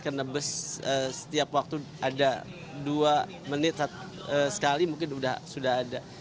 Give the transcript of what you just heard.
karena bus setiap waktu ada dua menit sekali mungkin sudah ada